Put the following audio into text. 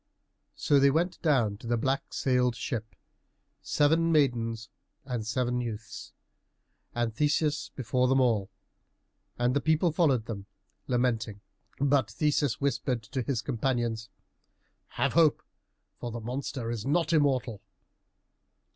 So they went down to the black sailed ship, seven maidens and seven youths, and Theseus before them all. And the people followed them, lamenting. But Theseus whispered to his companions, "Have hope, for the monster is not immortal."